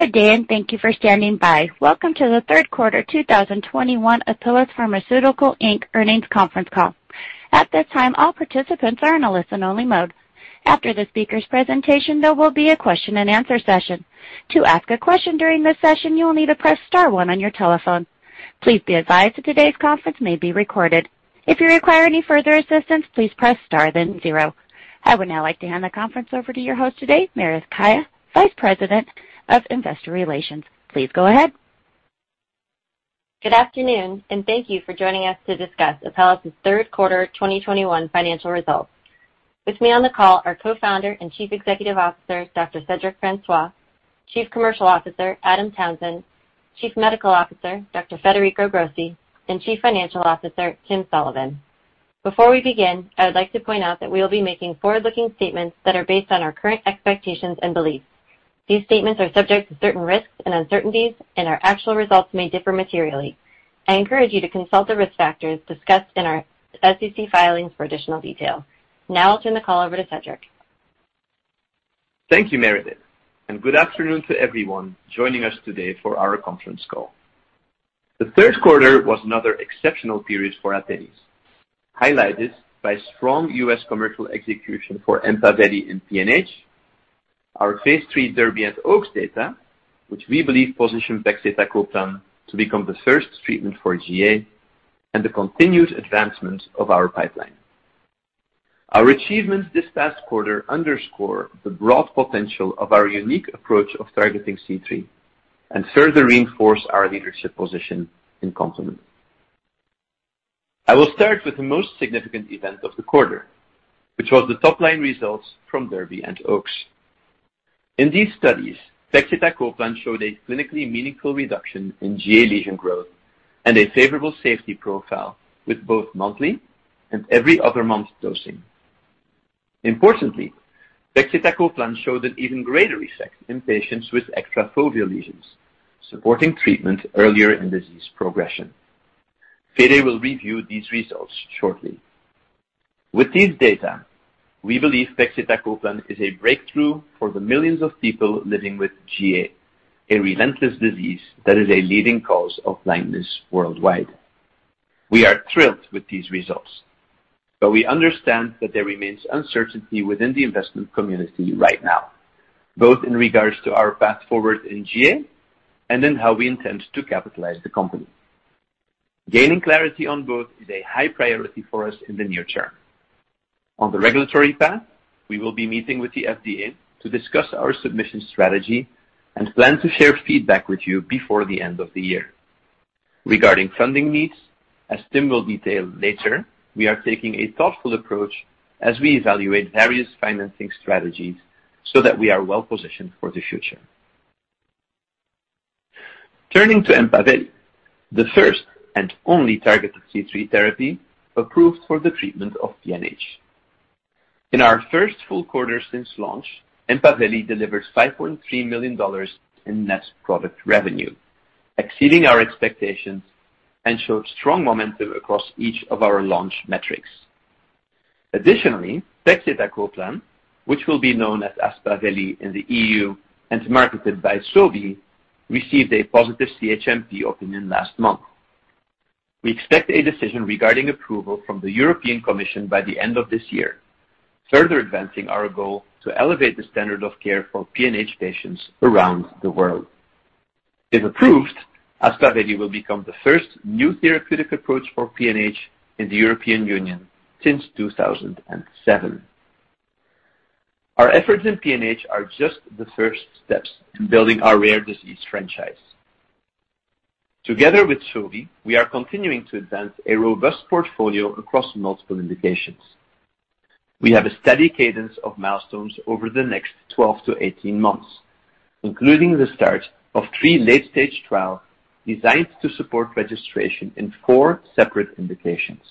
Good day, and thank you for standing by. Welcome to the third quarter 2021 Apellis Pharmaceuticals, Inc. earnings conference call. At this time, all participants are in a listen-only mode. After the speaker's presentation, there will be a question-and-answer session. To ask a question during this session, you will need to press star one on your telephone. Please be advised that today's conference may be recorded. If you require any further assistance, please press star, then zero. I would now like to hand the conference over to your host today, Meredith Kaya, Vice President of Investor Relations. Please go ahead. Good afternoon, and thank you for joining us to discuss Apellis' third quarter 2021 financial results. With me on the call are Co-founder and Chief Executive Officer, Dr. Cedric Francois, Chief Commercial Officer, Adam Townsend, Chief Medical Officer, Dr. Federico Grossi, and Chief Financial Officer, Tim Sullivan. Before we begin, I would like to point out that we will be making forward-looking statements that are based on our current expectations and beliefs. These statements are subject to certain risks and uncertainties, and our actual results may differ materially. I encourage you to consult the risk factors discussed in our SEC filings for additional detail. Now I'll turn the call over to Cedric. Thank you, Meredith, and good afternoon to everyone joining us today for our conference call. The third quarter was another exceptional period for Apellis, highlighted by strong U.S. commercial execution for EmpavelI in PNH, our phase III DERBY and OAKS data, which we believe positioned pegcetacoplan to become the first treatment for GA and the continued advancement of our pipeline. Our achievements this past quarter underscore the broad potential of our unique approach of targeting C3 and further reinforce our leadership position in complement. I will start with the most significant event of the quarter, which was the top-line results from DERBY and OAKS. In these studies, pegcetacoplan showed a clinically meaningful reduction in GA lesion growth and a favorable safety profile with both monthly and every other month dosing. Importantly, Vexleta copan showed an even greater effect in patients with extrafoveal lesions, supporting treatment earlier in disease progression. Fede will review these results shortly. With these data, we believe Vexleta copan is a breakthrough for the millions of people living with GA, a relentless disease that is a leading cause of blindness worldwide. We are thrilled with these results, but we understand that there remains uncertainty within the investment community right now, both in regards to our path forward in GA and in how we intend to capitalize the company. Gaining clarity on both is a high priority for us in the near term. On the regulatory path, we will be meeting with the FDA to discuss our submission strategy and plan to share feedback with you before the end of the year. Regarding funding needs, as Tim will detail later, we are taking a thoughtful approach as we evaluate various financing strategies so that we are well-positioned for the future. Turning to Empaveli, the first and only targeted C3 therapy approved for the treatment of PNH. In our first full quarter since launch, Empaveli delivered $5.3 million in net product revenue, exceeding our expectations, and showed strong momentum across each of our launch metrics. Additionally, pegcetacoplan, which will be known as Aspaveli in the EU and marketed by Sobi, received a positive CHMP opinion last month. We expect a decision regarding approval from the European Commission by the end of this year, further advancing our goal to elevate the standard of care for PNH patients around the world. If approved, Aspaveli will become the first new therapeutic approach for PNH in the European Union since 2007. Our efforts in PNH are just the first steps in building our rare disease franchise. Together with Sobi, we are continuing to advance a robust portfolio across multiple indications. We have a steady cadence of milestones over the next 12-18 months, including the start of three late-stage trials designed to support registration in four separate indications.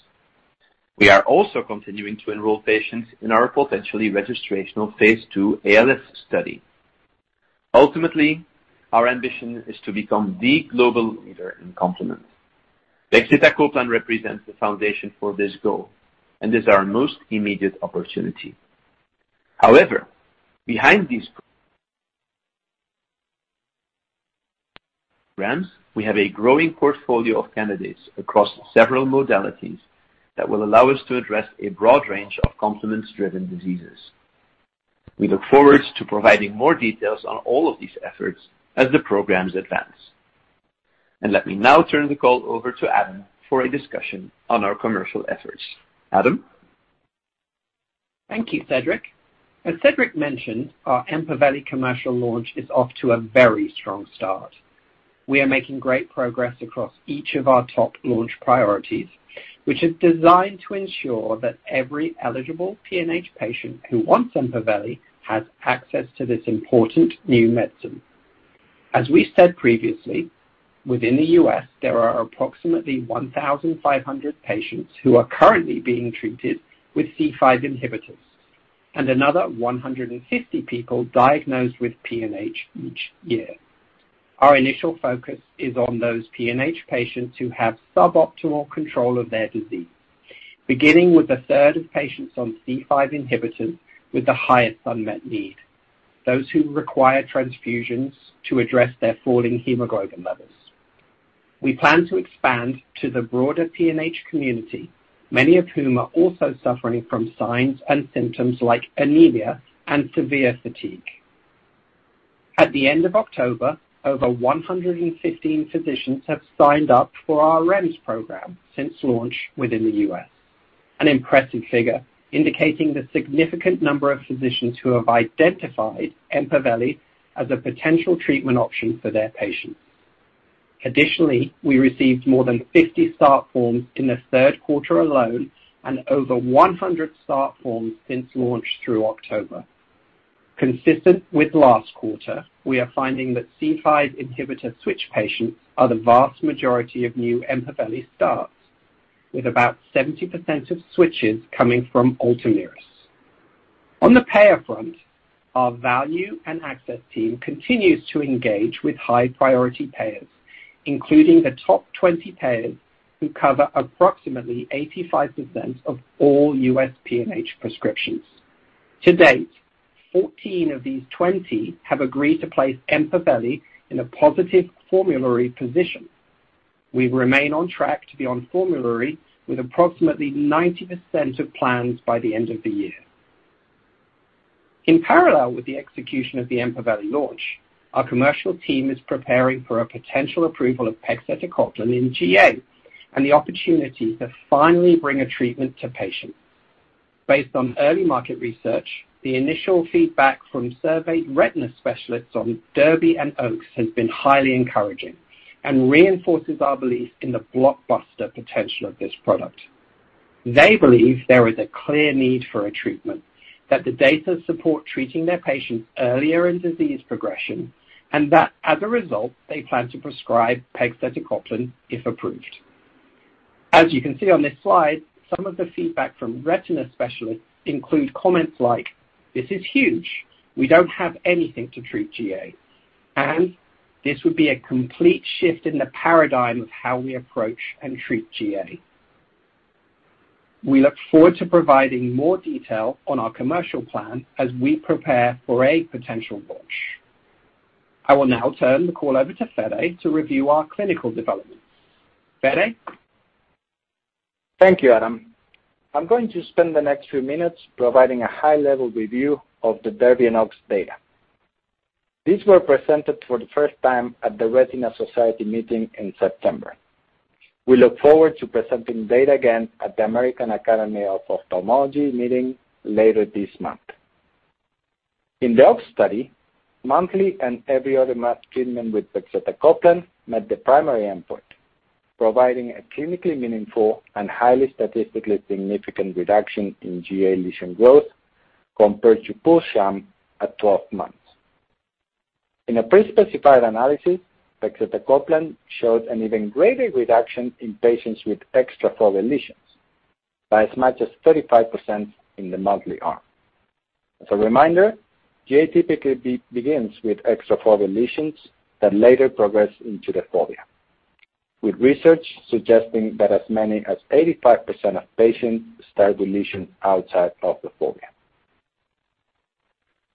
We are also continuing to enroll patients in our potentially registrational phase II ALS study. Ultimately, our ambition is to become the global leader in complement. Empaveli pegcetacoplan represents the foundation for this goal and is our most immediate opportunity. However, behind these brands, we have a growing portfolio of candidates across several modalities that will allow us to address a broad range of complement-driven diseases. We look forward to providing more details on all of these efforts as the programs advance. Let me now turn the call over to Adam for a discussion on our commercial efforts. Adam? Thank you, Cedric. As Cedric mentioned, our EMPAVELI commercial launch is off to a very strong start. We are making great progress across each of our top launch priorities, which is designed to ensure that every eligible PNH patient who wants EMPAVELI has access to this important new medicine. As we said previously, within the U.S., there are approximately 1,500 patients who are currently being treated with C5 inhibitors and another 150 people diagnosed with PNH each year. Our initial focus is on those PNH patients who have suboptimal control of their disease. Beginning with the third of patients on C5 inhibitors with the highest unmet need, those who require transfusions to address their falling hemoglobin levels. We plan to expand to the broader PNH community, many of whom are also suffering from signs and symptoms like anemia and severe fatigue. At the end of October, over 115 physicians have signed up for our REMS program since launch within the U.S. An impressive figure indicating the significant number of physicians who have identified Empaveli as a potential treatment option for their patients. Additionally, we received more than 50 start forms in the third quarter alone and over 100 start forms since launch through October. Consistent with last quarter, we are finding that C5 inhibitor switch patients are the vast majority of new Empaveli starts, with about 70% of switches coming from Ultomiris. On the payer front, our value and access team continues to engage with high-priority payers, including the top 20 payers who cover approximately 85% of all U.S. PNH prescriptions. To date, 14 of these 20 have agreed to place Empaveli in a positive formulary position. We remain on track to be on formulary with approximately 90% of plans by the end of the year. In parallel with the execution of the Empaveli launch, our commercial team is preparing for a potential approval of pegcetacoplan in GA and the opportunity to finally bring a treatment to patients. Based on early market research, the initial feedback from surveyed retina specialists on DERBY and OAKS has been highly encouraging and reinforces our belief in the blockbuster potential of this product. They believe there is a clear need for a treatment, that the data support treating their patients earlier in disease progression, and that as a result, they plan to prescribe pegcetacoplan if approved. As you can see on this slide, some of the feedback from retina specialists include comments like, "This is huge. We don't have anything to treat GA," and, "This would be a complete shift in the paradigm of how we approach and treat GA." We look forward to providing more detail on our commercial plan as we prepare for a potential launch. I will now turn the call over to Fede to review our clinical developments. Fede? Thank you, Adam. I'm going to spend the next few minutes providing a high-level review of the DERBY and OAKS data. These were presented for the first time at the Retina Society meeting in September. We look forward to presenting data again at the American Academy of Ophthalmology meeting later this month. In the OAKS study, monthly and every other month treatment with pegcetacoplan met the primary endpoint, providing a clinically meaningful and highly statistically significant reduction in GA lesion growth compared to pulse sham at 12 months. In a pre-specified analysis, pegcetacoplan showed an even greater reduction in patients with extrafoveal lesions by as much as 35% in the monthly arm. As a reminder, GA typically begins with extrafoveal lesions that later progress into the fovea, with research suggesting that as many as 85% of patients start the lesion outside of the fovea.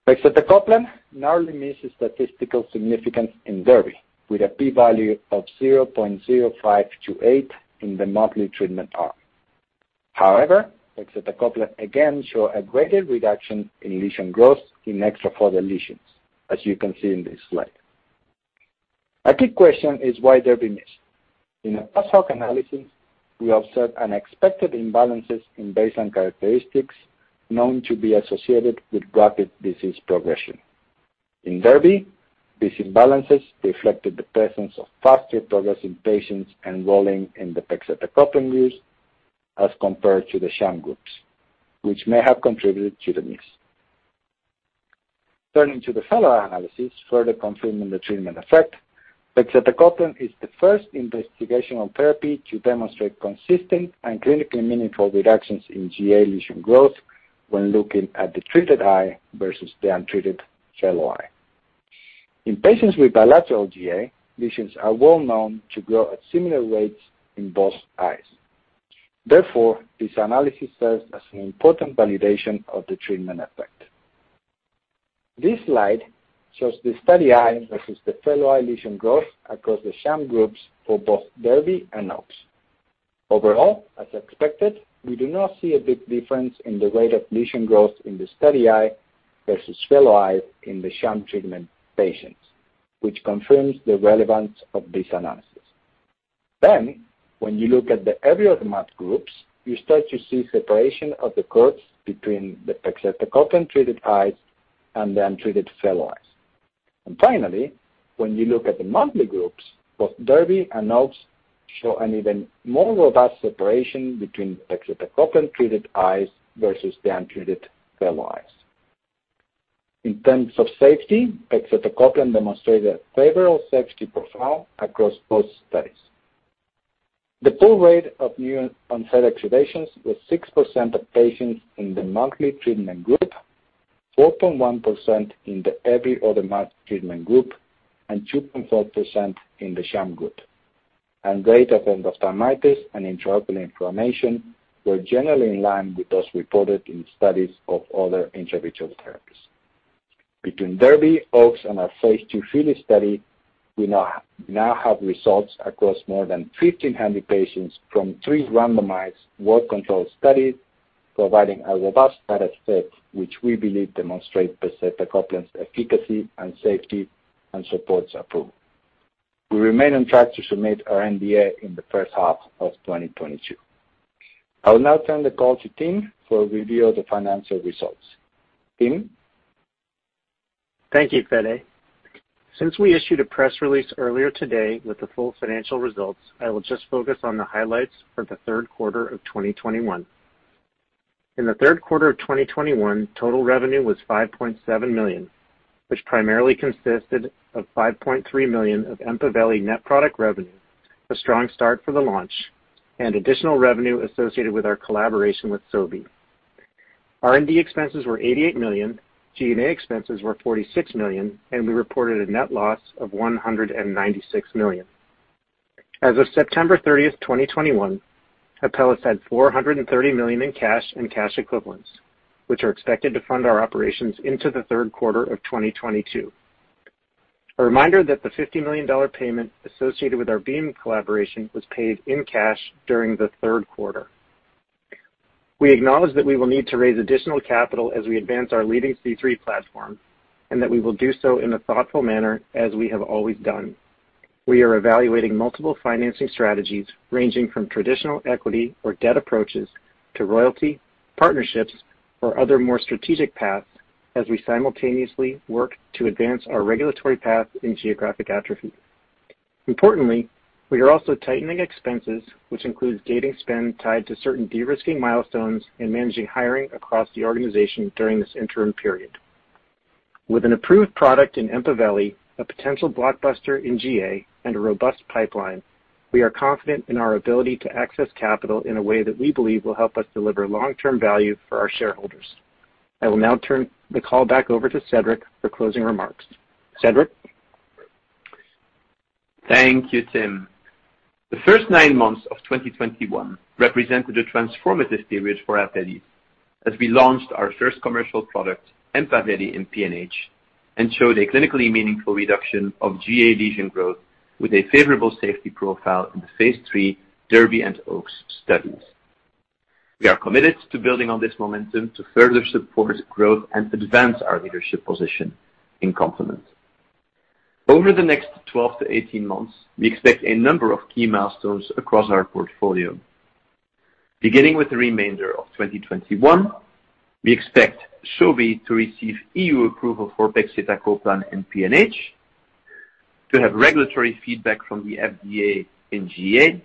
Pegcetacoplan narrowly misses statistical significance in DERBY with a p-value of 0.0528 in the monthly treatment arm. However, pegcetacoplan again show a greater reduction in lesion growth in extrafoveal lesions as you can see in this slide. A key question is why DERBY missed. In a post-hoc analysis, we observed unexpected imbalances in baseline characteristics known to be associated with rapid disease progression. In DERBY, these imbalances reflected the presence of faster-progressing patients enrolling in the pegcetacoplan groups as compared to the sham groups, which may have contributed to the miss. Turning to the fellow analysis, further confirming the treatment effect, pegcetacoplan is the first investigational therapy to demonstrate consistent and clinically meaningful reductions in GA lesion growth when looking at the treated eye versus the untreated fellow eye. In patients with bilateral GA, lesions are well-known to grow at similar rates in both eyes. Therefore, this analysis serves as an important validation of the treatment effect. This slide shows the study eye versus the fellow eye lesion growth across the sham groups for both DERBY and OAKS. Overall, as expected, we do not see a big difference in the rate of lesion growth in the study eye versus fellow eye in the sham treatment patients, which confirms the relevance of this analysis. When you look at the every other month groups, you start to see separation of the curves between the pegcetacoplan-treated eyes and the untreated fellow eyes. When you look at the monthly groups, both DERBY and OAKS show an even more robust separation between pegcetacoplan-treated eyes versus the untreated fellow eyes. In terms of safety, pegcetacoplan demonstrated a favorable safety profile across both studies. The pooled rate of new onset activations was 6% of patients in the monthly treatment group. 4.1% in the every other month treatment group and 2.4% in the sham group. Data from endophthalmitis and intraocular inflammation were generally in line with those reported in studies of other intraocular therapies. Between DERBY, OAKS, and our phase II FILLY study, we now have results across more than 1,500 patients from three randomized well-controlled studies, providing a robust data set which we believe demonstrate pegcetacoplan's efficacy and safety and supports approval. We remain on track to submit our NDA in the first half of 2022. I will now turn the call to Tim for a review of the financial results. Tim? Thank you, Fede. Since we issued a press release earlier today with the full financial results, I will just focus on the highlights for the third quarter of 2021. In the third quarter of 2021, total revenue was $5.7 million, which primarily consisted of $5.3 million of Empaveli net product revenue, a strong start for the launch, and additional revenue associated with our collaboration with Sobi. R&D expenses were $88 million, G&A expenses were $46 million, and we reported a net loss of $196 million. As of September 30, 2021, Apellis had $430 million in cash and cash equivalents, which are expected to fund our operations into the third quarter of 2022. A reminder that the $50 million payment associated with our Beam collaboration was paid in cash during the third quarter. We acknowledge that we will need to raise additional capital as we advance our leading C3 platform, and that we will do so in a thoughtful manner as we have always done. We are evaluating multiple financing strategies ranging from traditional equity or debt approaches to royalty, partnerships or other more strategic paths as we simultaneously work to advance our regulatory path in geographic atrophy. Importantly, we are also tightening expenses, which includes gating spend tied to certain de-risking milestones and managing hiring across the organization during this interim period. With an approved product in Empaveli, a potential blockbuster in GA and a robust pipeline, we are confident in our ability to access capital in a way that we believe will help us deliver long-term value for our shareholders. I will now turn the call back over to Cedric for closing remarks. Cedric? Thank you, Tim. The first 9 months of 2021 represented a transformative period for Apellis as we launched our first commercial product, Empaveli in PNH, and showed a clinically meaningful reduction of GA lesion growth with a favorable safety profile in the phase III DERBY and OAKS studies. We are committed to building on this momentum to further support growth and advance our leadership position in complement. Over the next 12-18 months, we expect a number of key milestones across our portfolio. Beginning with the remainder of 2021, we expect Sobi to receive E.U. approval for pegcetacoplan in PNH, to have regulatory feedback from the F.D.A. in GA,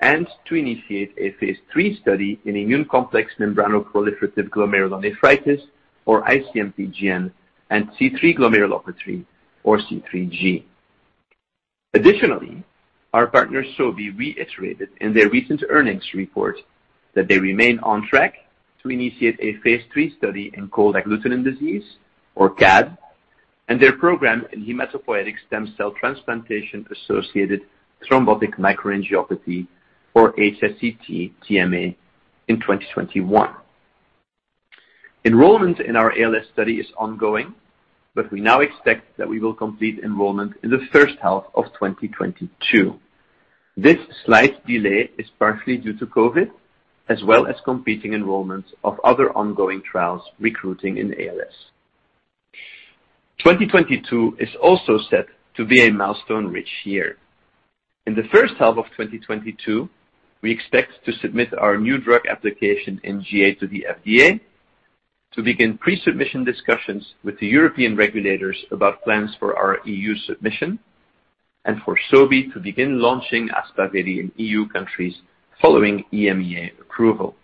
and to initiate a phase III study in immune complex membranoproliferative glomerulonephritis, or ICMP GN, and C3 glomerulopathy, or C3G. Additionally, our partner Sobi reiterated in their recent earnings report that they remain on track to initiate a phase III study in cold agglutinin disease, or CAD, and their program in hematopoietic stem cell transplantation-associated thrombotic microangiopathy, or HSCT-TMA, in 2021. Enrollment in our ALS study is ongoing, but we now expect that we will complete enrollment in the first half of 2022. This slight delay is partially due to COVID, as well as competing enrollments of other ongoing trials recruiting in ALS. 2022 is also set to be a milestone-rich year. In the first half of 2022, we expect to submit our new drug application in GA to the FDA to begin pre-submission discussions with the European regulators about plans for our EU submission and for Sobi to begin launching Aspaveli in EU countries following EMA approval.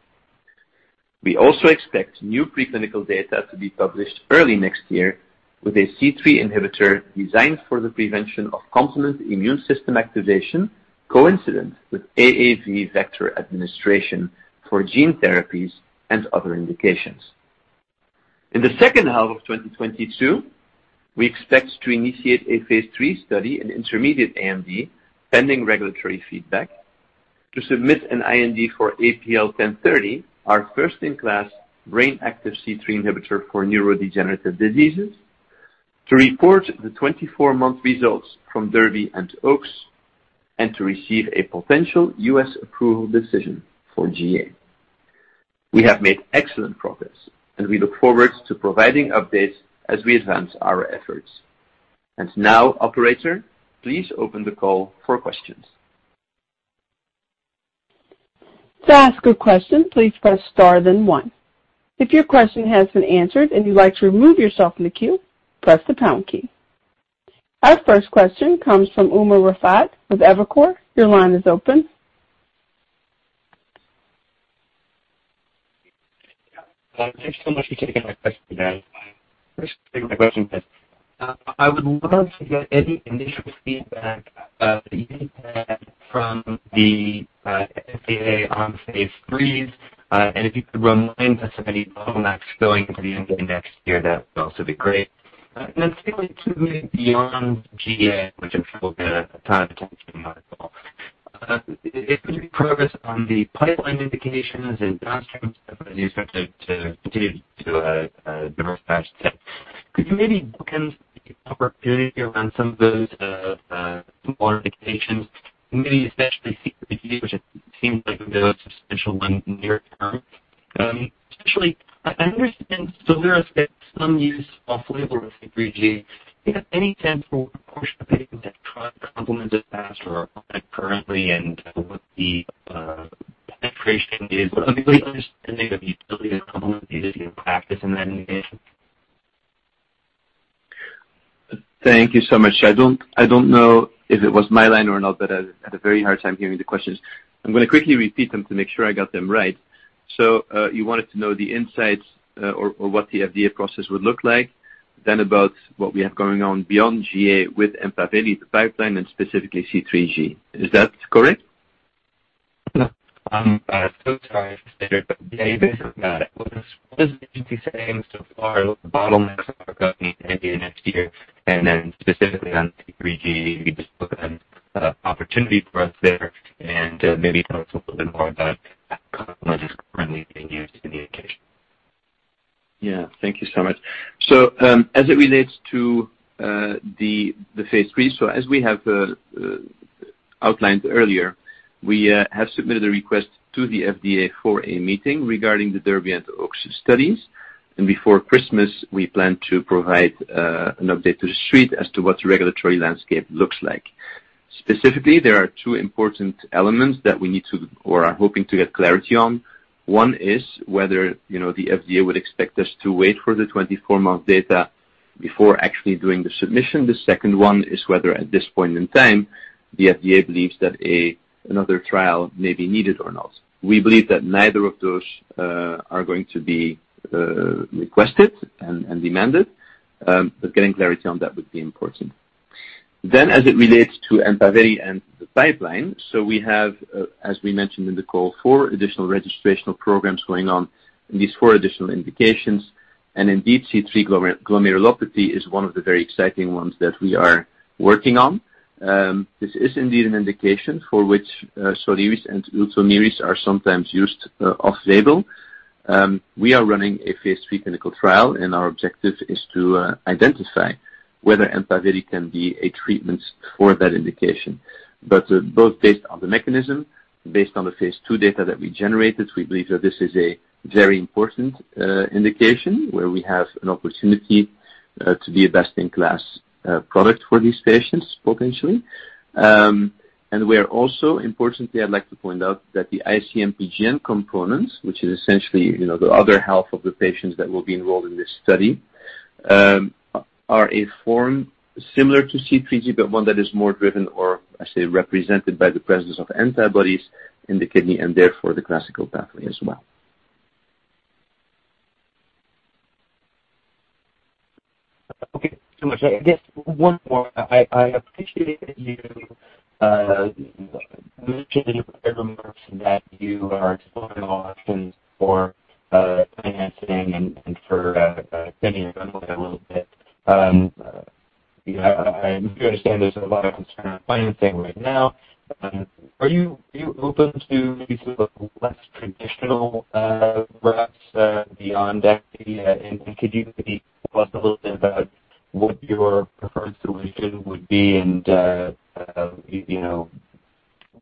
We also expect new preclinical data to be published early next year with a C3 inhibitor designed for the prevention of complement immune system activation coincident with AAV vector administration for gene therapies and other indications. In the second half of 2022, we expect to initiate a phase III study in intermediate AMD, pending regulatory feedback, to submit an IND for APL-1030, our first-in-class brain-active C3 inhibitor for neurodegenerative diseases, to report the 24-month results from DERBY and OAKS, and to receive a potential U.S. approval decision for GA. We have made excellent progress, and we look forward to providing updates as we advance our efforts. Now, operator, please open the call for questions. Our first question comes from Umer Raffat with Evercore. Your line is open. Thanks so much for taking my question today. First thing, my question is, I would love to get any initial feedback that you may have had from the FDA on phase IIIs. If you could remind us of any bottlenecks going into the end of next year, that would also be great. Then secondly, to maybe beyond GA, which I'm sure will get a ton of attention on the call. Is there any progress on the pipeline indications and downstream stuff as you expect to continue to diversify the set. Could you maybe bookend the opportunity around some of those smaller indications, maybe especially C3G, which it seems like the most substantial one near term. Especially I understand SOLIRIS gets some use off-label with C3G. Do you have any sense for what proportion of patients have tried complement to date or are on it currently, and what the penetration is? Or maybe just an understanding of the ability to complement these in practice in that indication. Thank you so much. I don't know if it was my line or not, but I had a very hard time hearing the questions. I'm gonna quickly repeat them to make sure I got them right. You wanted to know the insights or what the FDA process would look like, then about what we have going on beyond GA with Empaveli, the pipeline and specifically C3G. Is that correct? No. I'm so sorry, Cedric, but yeah, you basically got it. What is the agency saying so far? What bottlenecks are coming maybe next year? Then specifically on C3G, if you could just bookend opportunity for us there and maybe tell us a little bit more about how complement is currently being used in the indication. Thank you so much. As it relates to the phase III, as we have outlined earlier, we have submitted a request to the FDA for a meeting regarding the DERBY and OAKS studies. Before Christmas, we plan to provide an update to the street as to what the regulatory landscape looks like. Specifically, there are two important elements that we need to or are hoping to get clarity on. One is whether, you know, the FDA would expect us to wait for the 24-month data before actually doing the submission. The second one is whether at this point in time, the FDA believes that another trial may be needed or not. We believe that neither of those are going to be requested and demanded, but getting clarity on that would be important. As it relates to Empaveli and the pipeline, so we have, as we mentioned in the call, four additional registrational programs going on in these four additional indications. Indeed, C3 glomerulopathy is one of the very exciting ones that we are working on. This is indeed an indication for which, SOLIRIS and ULTOMIRIS are sometimes used, off-label. We are running a phase III clinical trial, and our objective is to identify whether Empaveli can be a treatment for that indication. Both based on the mechanism, based on the phase II data that we generated, we believe that this is a very important indication where we have an opportunity to be a best-in-class product for these patients potentially. we are also, importantly, I'd like to point out that the ICMP GN components, which is essentially, you know, the other half of the patients that will be enrolled in this study, are a form similar to C3G, but one that is more driven, represented by the presence of antibodies in the kidney and therefore the classical pathway as well. Okay. I guess one more. I appreciate that you mentioned in your prepared remarks that you are exploring all options for financing and for extending your runway a little bit. You know, I do understand there's a lot of concern on financing right now. Are you open to maybe some less traditional routes beyond that, maybe? And could you maybe tell us a little bit about what your preferred solution would be and you know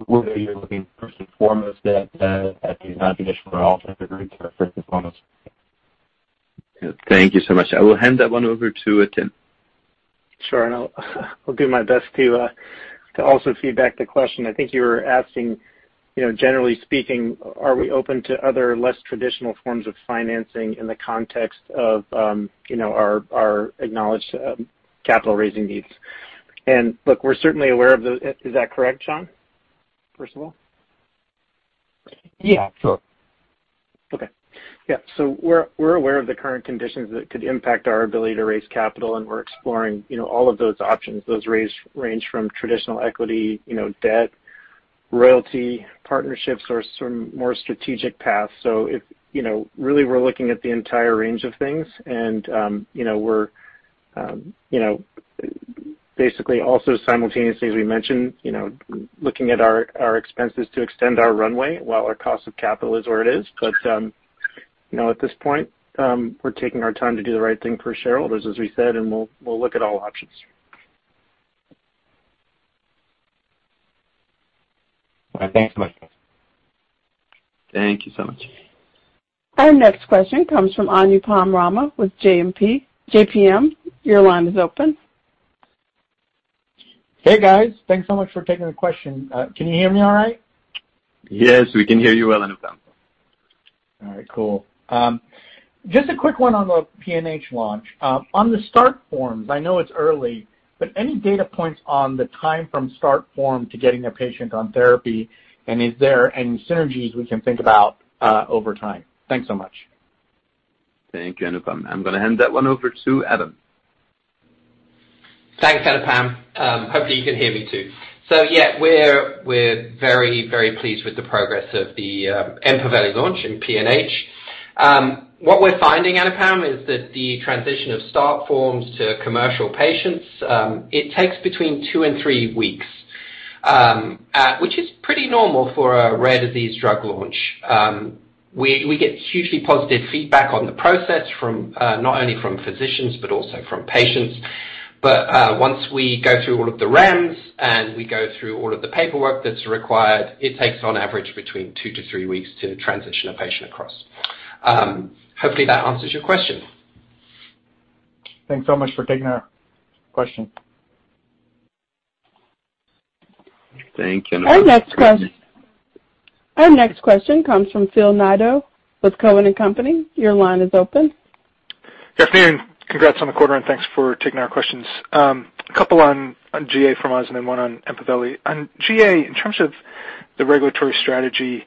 whether you're looking first and foremost at the non-traditional routes or if they're very first and foremost? Thank you so much. I will hand that one over to Tim. Sure. I'll do my best to also feedback the question. I think you were asking, you know, generally speaking, are we open to other less traditional forms of financing in the context of, you know, our acknowledged capital raising needs. Look, we're certainly aware of the. Is that correct, Umer, first of all? Yeah. Sure. We're aware of the current conditions that could impact our ability to raise capital, and we're exploring, all of those options. Those range from traditional equity, you know, debt, royalty, partnerships or some more strategic paths. Really we're looking at the entire range of things and, you know, we're basically also simultaneously, as we mentioned, you know, looking at our expenses to extend our runway while our cost of capital is where it is. At this point, we're taking our time to do the right thing for shareholders, as we said, and we'll look at all options. All right. Thanks so much. Thank you so much. Our next question comes from Anupam Rama with J.P. Morgan. Your line is open. Hey, guys. Thanks so much for taking the question. Can you hear me all right? Yes, we can hear you well, Anupam. All right, cool. Just a quick one on the PNH launch. On the start forms, I know it's early, but any data points on the time from start form to getting a patient on therapy, and is there any synergies we can think about over time? Thanks so much. Thank you, Anupam. I'm gonna hand that one over to Adam. Thanks, Anupam. Hopefully you can hear me too. Yeah, we're very pleased with the progress of the Empaveli launch in PNH. What we're finding, Anupam, is that the transition of start forms to commercial patients takes between 2 and 3 weeks, which is pretty normal for a rare disease drug launch. We get hugely positive feedback on the process from not only physicians, but also from patients. Once we go through all of the REMS and we go through all of the paperwork that's required, it takes on average between 2-3 weeks to transition a patient across. Hopefully that answers your question. Thanks so much for taking our question. Thank you. Our next question comes from Phil Nadeau with Cowen and Company. Your line is open. Good afternoon. Congrats on the quarter, and thanks for taking our questions. A couple on GA from us and then one on Empaveli. On GA, in terms of the regulatory strategy,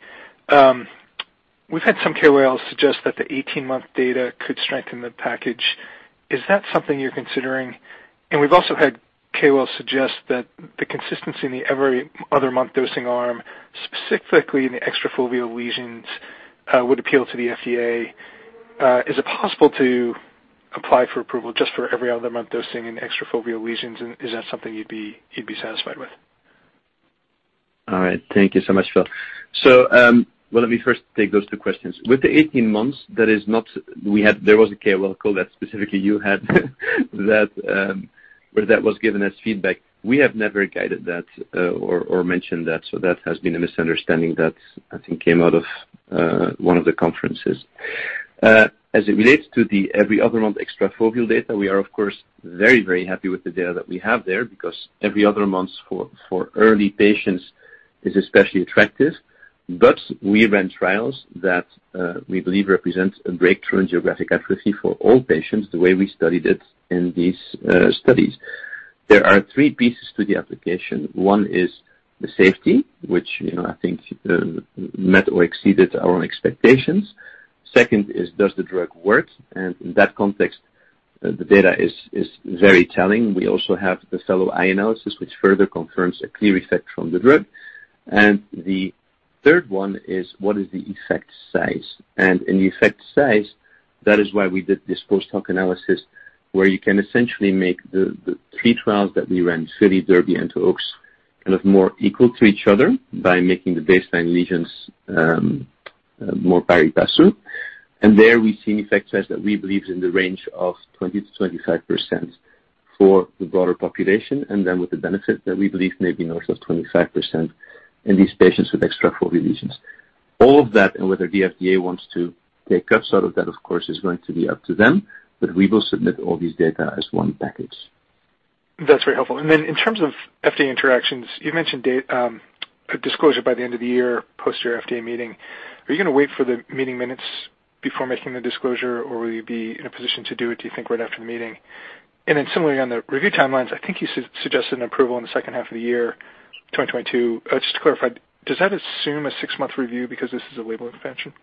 we've had some KOLs suggest that the 18-month data could strengthen the package. Is that something you're considering? We've also had KOLs suggest that the consistency in the every other month dosing arm, specifically in the extrafoveal lesions, would appeal to the FDA. Is it possible to apply for approval just for every other month dosing in extrafoveal lesions, and is that something you'd be satisfied with? All right. Thank you so much, Phil. Well, let me first take those two questions. With the 18 months, that is not. There was a KOL call that specifically you had that, where that was given as feedback. We have never guided that, or mentioned that, so that has been a misunderstanding that I think came out of one of the conferences. As it relates to the every other month extrafoveal data, we are of course, very, very happy with the data that we have there because every other month for early patients is especially attractive. We ran trials that we believe represents a breakthrough in geographic atrophy for all patients, the way we studied it in these studies. There are three pieces to the application. One is the safety, which, you know, I think, met or exceeded our own expectations. Second is does the drug work? In that context, the data is very telling. We also have the fellow eye analysis, which further confirms a clear effect from the drug. The third one is what is the effect size? In the effect size, that is why we did this post-hoc analysis where you can essentially make the three trials that we ran, FILLY, DERBY, and OAKS, kind of more equal to each other by making the baseline lesions more peripapillary. There we've seen effect size that we believe is in the range of 20%-25% for the broader population, and then with the benefit that we believe may be north of 25% in these patients with extrafoveal lesions. All of that, and whether the FDA wants to take updates out of that, of course, is going to be up to them, but we will submit all these data as one package. That's very helpful. In terms of FDA interactions, you mentioned a disclosure by the end of the year post your FDA meeting. Are you gonna wait for the meeting minutes before making the disclosure, or will you be in a position to do it, do you think, right after the meeting? Similarly on the review timelines, I think you suggested an approval in the second half of 2022. Just to clarify, does that assume a six-month review because this is a label expansion?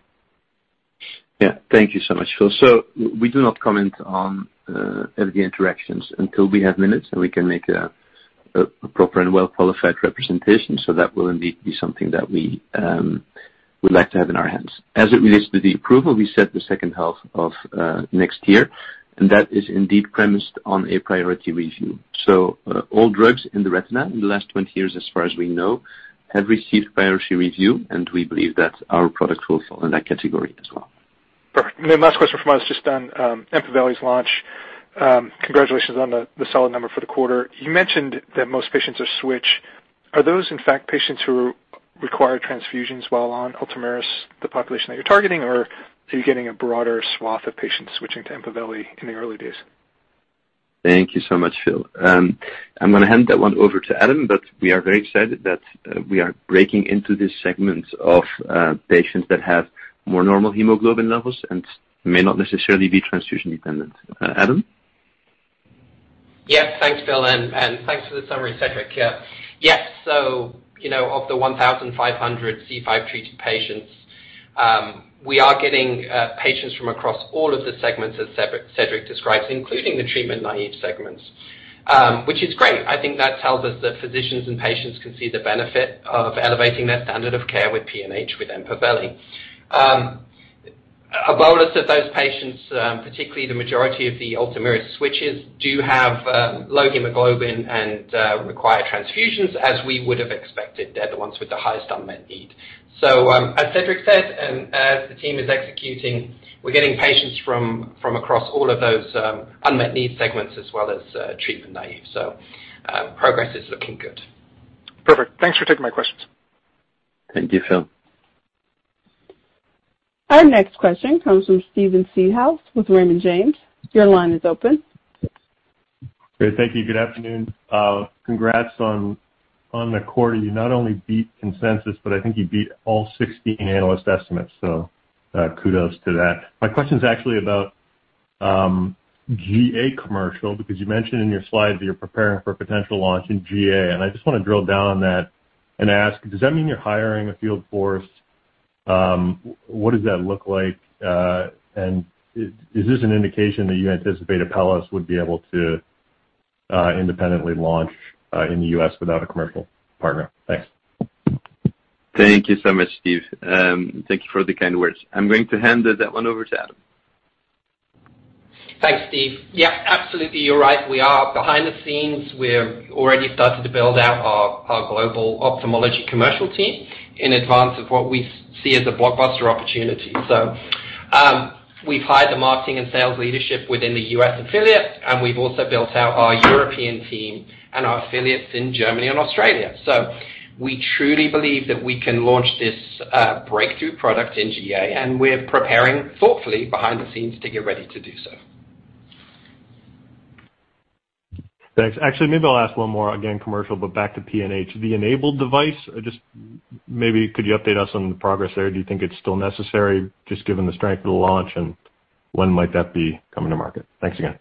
Yeah. Thank you so much, Phil. We do not comment on FDA interactions until we have minutes, and we can make a proper and well-qualified representation. That will indeed be something that we would like to have in our hands. As it relates to the approval, we set the second half of next year, and that is indeed premised on a priority review. All drugs in the retina in the last 20 years, as far as we know, have received priority review, and we believe that our product will fall in that category as well. Perfect. Then last question from us just on Empaveli's launch. Congratulations on the solid number for the quarter. You mentioned that most patients are switchers. Are those, in fact, patients who require transfusions while on Ultomiris, the population that you're targeting, or are you getting a broader swath of patients switching to Empaveli in the early days? Thank you so much, Phil. I'm gonna hand that one over to Adam, but we are very excited that we are breaking into this segment of patients that have more normal hemoglobin levels and may not necessarily be transfusion-dependent. Adam? Yes. Thanks, Phil, and thanks for the summary, Cedric. Yeah. Yes, you know, of the 1,500 C5-treated patients, we are getting patients from across all of the segments that Cedric described, including the treatment-naive segments, which is great. I think that tells us that physicians and patients can see the benefit of elevating their standard of care with PNH with Empaveli. A bolus of those patients, particularly the majority of the Ultomiris switches, do have low hemoglobin and require transfusions, as we would have expected. They're the ones with the highest unmet need. As Cedric said, and as the team is executing, we're getting patients from across all of those unmet need segments as well as treatment-naive. Progress is looking good. Perfect. Thanks for taking my questions. Thank you, Phil. Our next question comes from Steven Seedhouse with Raymond James. Your line is open. Great. Thank you. Good afternoon. Congrats on the quarter. You not only beat consensus, but I think you beat all 16 analyst estimates, so kudos to that. My question's actually about GA commercial because you mentioned in your slides that you're preparing for a potential launch in GA. I just wanna drill down on that and ask, does that mean you're hiring a field force? What does that look like? Is this an indication that you anticipate Apellis would be able to independently launch in the U.S. without a commercial partner? Thanks. Thank you so much, Steve. Thank you for the kind words. I'm going to hand that one over to Adam. Thanks, Steve. Yeah, absolutely. You're right. We are behind the scenes. We're already started to build out our global ophthalmology commercial team in advance of what we see as a blockbuster opportunity. We've hired the marketing and sales leadership within the U.S. affiliate, and we've also built out our European team and our affiliates in Germany and Austria. We truly believe that we can launch this breakthrough product in GA, and we're preparing thoughtfully behind the scenes to get ready to do so. Thanks. Actually, maybe I'll ask one more again, commercial, but back to PNH. The Empaveli device, just maybe could you update us on the progress there? Do you think it's still necessary just given the strength of the launch, and when might that be coming to market? Thanks again.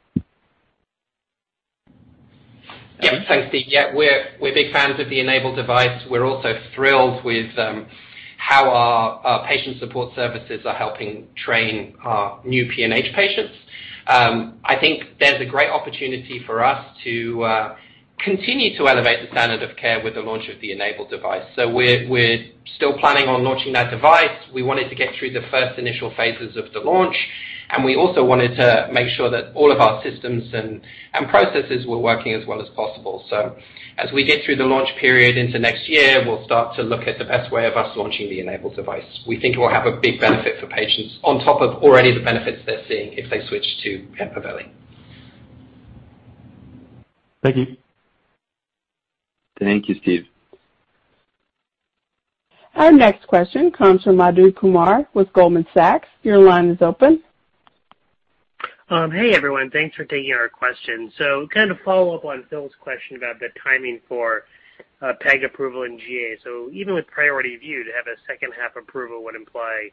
Yeah. Thanks, Steve. Yeah, we're big fans of the enabled device. We're also thrilled with how our patient support services are helping train our new PNH patients. I think there's a great opportunity for us to continue to elevate the standard of care with the launch of the enabled device. We're still planning on launching that device. We wanted to get through the first initial phases of the launch, and we also wanted to make sure that all of our systems and processes were working as well as possible. As we get through the launch period into next year, we'll start to look at the best way of us launching the enabled device. We think it will have a big benefit for patients on top of already the benefits they're seeing if they switch to Empaveli. Thank you. Thank you, Steve. Our next question comes from Madhu Kumar with Goldman Sachs. Your line is open. Hey, everyone. Thanks for taking our question. Kind of follow up on Phil's question about the timing for peg approval in GA. Even with priority review, to have a second-half approval would imply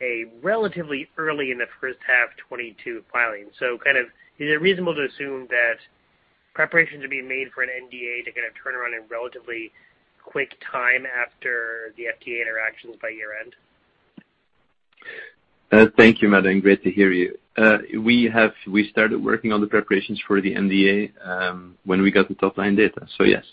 a relatively early filing in the first half 2022. Kind of is it reasonable to assume that preparations are being made for an NDA to kind of turn around in relatively quick time after the FDA interactions by year-end? Thank you, Madhu, and great to hear you. We started working on the preparations for the NDA, when we got the top-line data. Yes.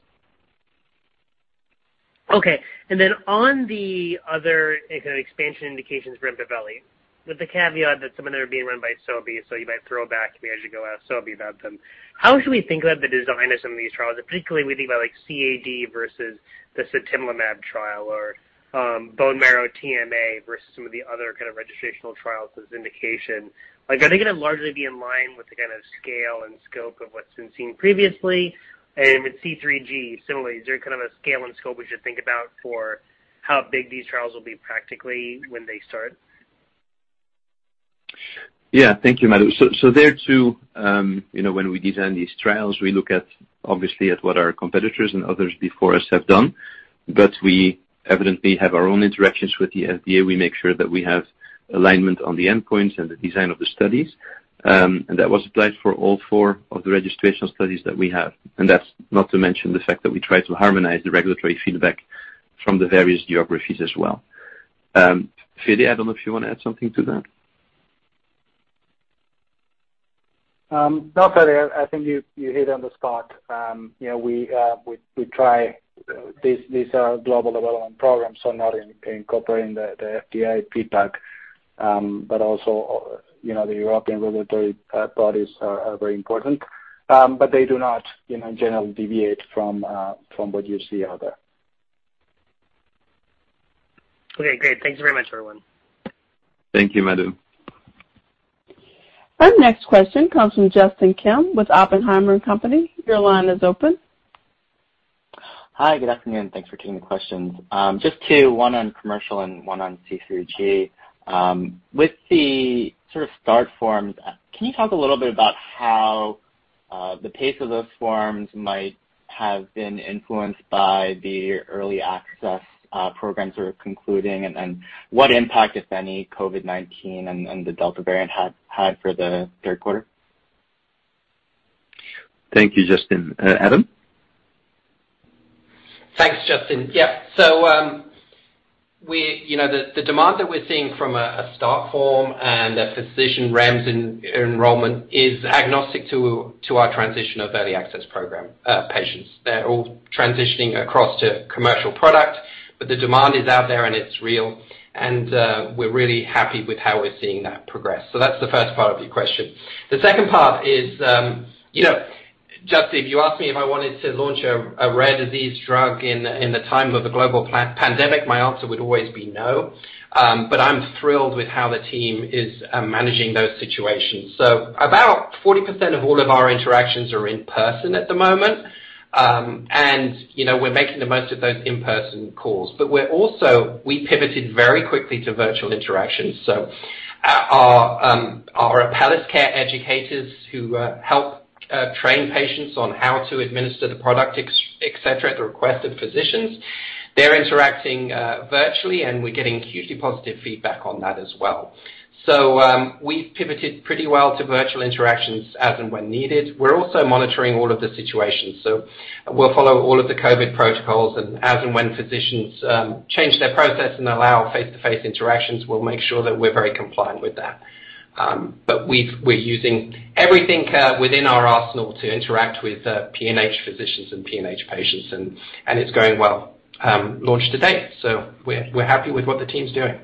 Okay. On the other kind of expansion indications for Empaveli, with the caveat that some of them are being run by Sobi, so you might throw it back to me. I should go ask Sobi about them. How should we think about the design of some of these trials, particularly when you think about, like, CAD versus the sutimlimab trial or, bone marrow TMA versus some of the other kind of registrational trials as indication. Like, are they gonna largely be in line with the kind of scale and scope of what's been seen previously? With C3G, similarly, is there kind of a scale and scope we should think about for how big these trials will be practically when they start? Yeah. Thank you, Madhu. There too, you know, when we design these trials, we look at, obviously, at what our competitors and others before us have done. We evidently have our own interactions with the FDA. We make sure that we have alignment on the endpoints and the design of the studies. That was applied for all four of the registrational studies that we have. That's not to mention the fact that we try to harmonize the regulatory feedback from the various geographies as well. Fede, I don't know if you wanna add something to that. No, Fede, I think you hit it on the spot. You know, we try, these are global development programs, so not incorporating the FDA feedback, but also, you know, the European regulatory bodies are very important. But they do not, you know, in general deviate from what you see out there. Okay, great. Thank you very much, everyone. Thank you, Madhu. Our next question comes from Justin Kim with Oppenheimer & Co. Your line is open. Hi. Good afternoon. Thanks for taking the questions. Just two, one on commercial and one on C3G. With the sort of start forms, can you talk a little bit about how the pace of those forms might have been influenced by the early access programs that are concluding and what impact, if any, COVID-19 and the Delta variant had for the third quarter? Thank you, Justin. Adam? Thanks, Justin. Yeah. You know, the demand that we're seeing from a storefront and a physician REMS enrollment is agnostic to our transition of early access program patients. They're all transitioning across to commercial product, but the demand is out there and it's real, and we're really happy with how we're seeing that progress. That's the first part of your question. The second part is, you know, Justin, if you asked me if I wanted to launch a rare disease drug in the time of a global pandemic, my answer would always be no. I'm thrilled with how the team is managing those situations. About 40% of all of our interactions are in person at the moment. You know, we're making the most of those in-person calls. We pivoted very quickly to virtual interactions. Our Apellis care educators who help train patients on how to administer the product, etcetera, at the request of physicians, they're interacting virtually, and we're getting hugely positive feedback on that as well. We've pivoted pretty well to virtual interactions as and when needed. We're also monitoring all of the situations, so we'll follow all of the COVID protocols and as and when physicians change their process and allow face-to-face interactions, we'll make sure that we're very compliant with that. We're using everything within our arsenal to interact with PNH physicians and PNH patients, and it's going well launch to date. We're happy with what the team's doing.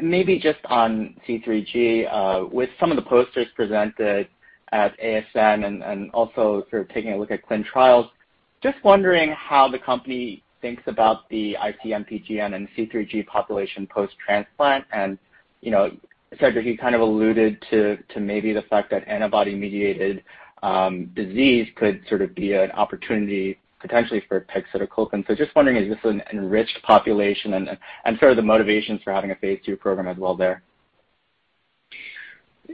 Maybe just on C3G, with some of the posters presented at ASN and also sort of taking a look at clinicaltrials.gov, just wondering how the company thinks about the ICMPGN and C3G population post-transplant. Cedric, you kind of alluded to maybe the fact that antibody-mediated disease could sort of be an opportunity potentially for pegcetacoplan. Just wondering, is this an enriched population and sort of the motivations for having a phase II program as well there.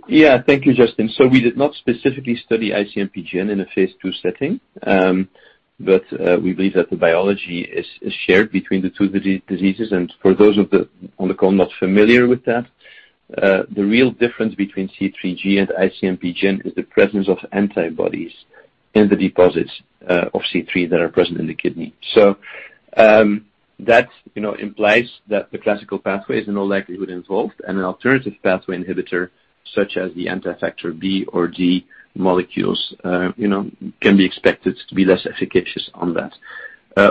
Yeah. Thank you, Justin. We did not specifically study ICMPGN in a phase II setting, but we believe that the biology is shared between the two diseases. For those on the call not familiar with that, the real difference between C3G and ICMPGN is the presence of antibodies in the deposits of C3 that are present in the kidney. That, you know, implies that the classical pathway is in all likelihood involved and an alternative pathway inhibitor such as the anti-factor B or D molecules, you know, can be expected to be less efficacious on that.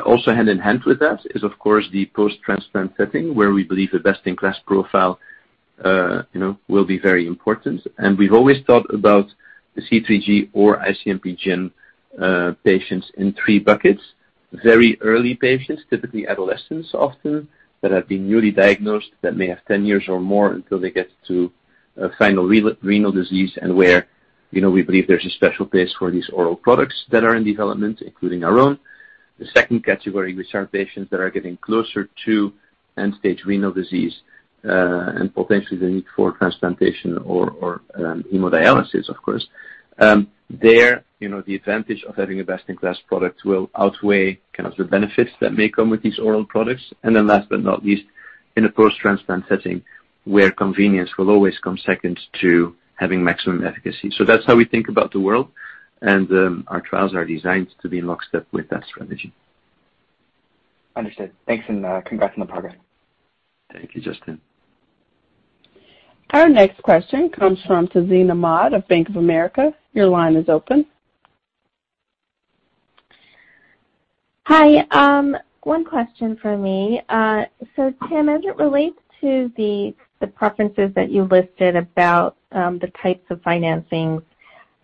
Also hand in hand with that is of course the post-transplant setting where we believe a best-in-class profile, you know, will be very important. We've always thought about the C3G or ICMPGN patients in three buckets. Very early patients, typically adolescents often, that have been newly diagnosed, that may have 10 years or more until they get to final renal disease, and where, you know, we believe there's a special place for these oral products that are in development, including our own. The second category, which are patients that are getting closer to end-stage renal disease, and potentially the need for transplantation or hemodialysis of course. You know, the advantage of having a best-in-class product will outweigh kind of the benefits that may come with these oral products. Last but not least, in a post-transplant setting where convenience will always come second to having maximum efficacy. That's how we think about the world and our trials are designed to be in lockstep with that strategy. Understood. Thanks and, congrats on the progress. Thank you, Justin. Our next question comes from Tazeen Ahmad of Bank of America. Your line is open. Hi. One question for me. So Tim, as it relates to the preferences that you listed about the types of financings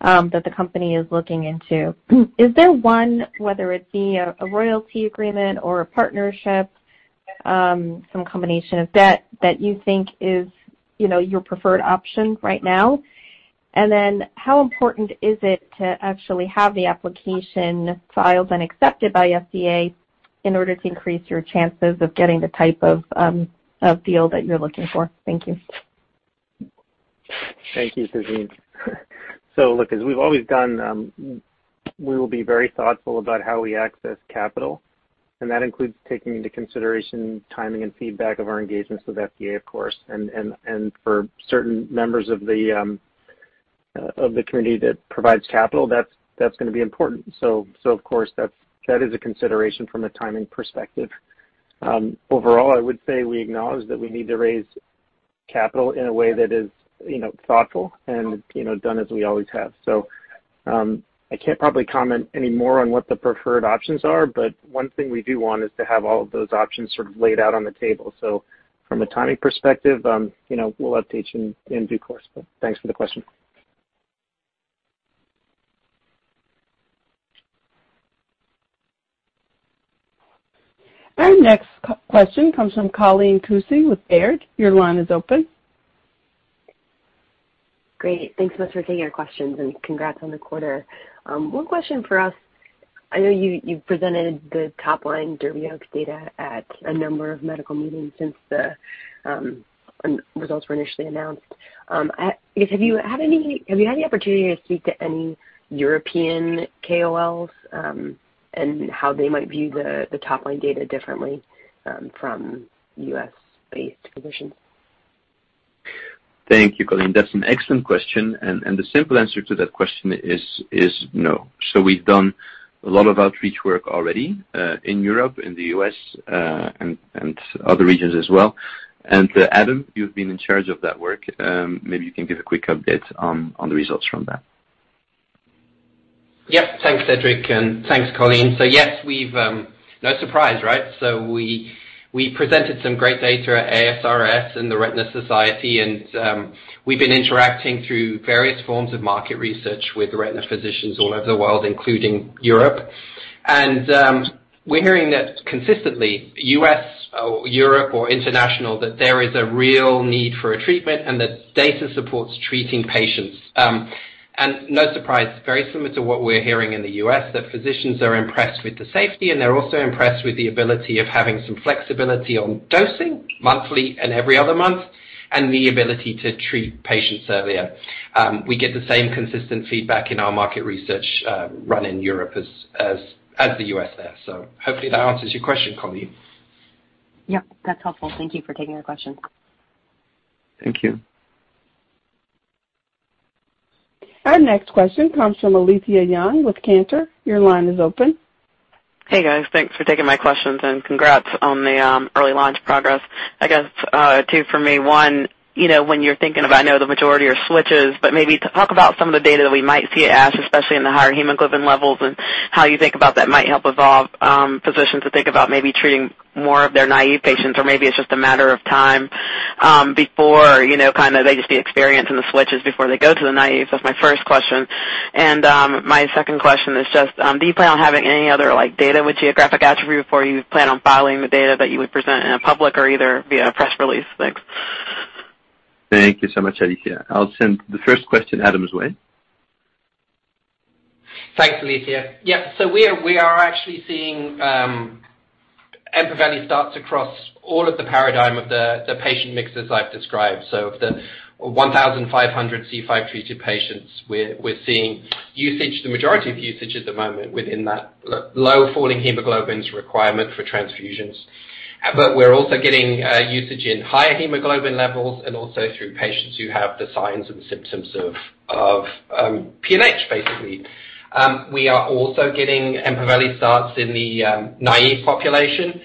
that the company is looking into, is there one, whether it be a royalty agreement or a partnership, some combination of debt that you think is, you know, your preferred option right now? Then how important is it to actually have the application filed and accepted by FDA in order to increase your chances of getting the type of deal that you're looking for? Thank you. Thank you, Tazeen. Look, as we've always done, we will be very thoughtful about how we access capital, and that includes taking into consideration timing and feedback of our engagements with FDA, of course. For certain members of the community that provides capital, that's gonna be important. Of course that is a consideration from a timing perspective. Overall, I would say we acknowledge that we need to raise capital in a way that is, you know, thoughtful and, you know, done as we always have. I can't probably comment any more on what the preferred options are, but one thing we do want is to have all of those options sort of laid out on the table. From a timing perspective, you know, we'll update you in due course. Thanks for the question. Our next question comes from Colleen Kusy with Baird. Your line is open. Great. Thanks so much for taking our questions, and congrats on the quarter. One question for us. I know you presented the top-line DERBY OAKS data at a number of medical meetings since the results were initially announced. I guess have you had any opportunity to speak to any European KOLs, and how they might view the top-line data differently from U.S.-based physicians? Thank you, Colleen. That's an excellent question. The simple answer to that question is no. We've done a lot of outreach work already in Europe, in the U.S., and other regions as well. Adam, you've been in charge of that work. Maybe you can give a quick update on the results from that. Yep. Thanks, Cedric, and thanks, Colleen. Yes, we've... No surprise, right? We presented some great data at ASRS and the Retina Society and we've been interacting through various forms of market research with retina physicians all over the world, including Europe. We're hearing that consistently U.S. or Europe or international, that there is a real need for a treatment and that data supports treating patients. No surprise, very similar to what we're hearing in the U.S., that physicians are impressed with the safety and they're also impressed with the ability of having some flexibility on dosing monthly and every other month, and the ability to treat patients earlier. We get the same consistent feedback in our market research run in Europe as the U.S. there. Hopefully that answers your question, Colleen. Yep, that's helpful. Thank you for taking the question. Thank you. Our next question comes from Alethia Young with Cantor. Your line is open. Hey, guys. Thanks for taking my questions and congrats on the early launch progress. I guess, 2 for me. 1, you know, when you're thinking about, I know the majority are switches, but maybe talk about some of the data that we might see at ASH, especially in the higher hemoglobin levels and how you think about that might help evolve physicians to think about maybe treating more of their naive patients or maybe it's just a matter of time before, you know, kinda they just see experience in the switches before they go to the naive. That's my first question. My second question is just, do you plan on having any other, like, data with geographic atrophy before you plan on filing the data that you would present in a public or either via a press release? Thanks. Thank you so much, Alethia. I'll send the first question Adam's way. Thanks, Alethia. Yeah. We are actually seeing Empaveli starts across all of the paradigm of the patient mix as I've described. Of the 1,500 C5-treated patients, we're seeing usage, the majority of usage at the moment within that low falling hemoglobin's requirement for transfusions. We're also getting usage in higher hemoglobin levels and also through patients who have the signs and symptoms of PNH, basically. We are also getting Empaveli starts in the naive population,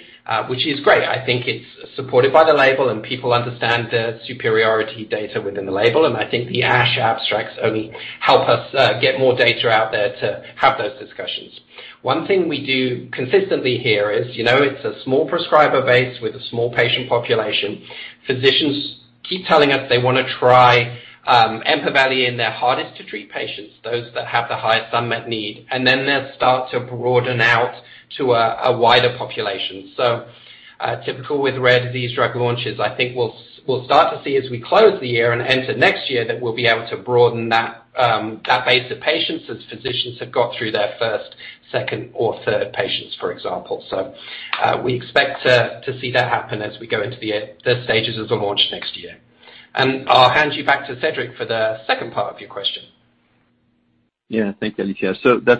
which is great. I think it's supported by the label, and people understand the superiority data within the label, and I think the ASH abstracts only help us get more data out there to have those discussions. One thing we do consistently here is, you know, it's a small prescriber base with a small patient population. Physicians keep telling us they wanna try Empaveli in their hardest to treat patients, those that have the highest unmet need, and then they'll start to broaden out to a wider population. Typical with rare disease drug launches, I think we'll start to see as we close the year and enter next year that we'll be able to broaden that base of patients as physicians have got through their first, second or third patients, for example. We expect to see that happen as we go into the stages of the launch next year. I'll hand you back to Cedric for the second part of your question. Yeah. Thanks, Alethia.